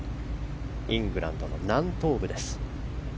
イングランドの南東部です。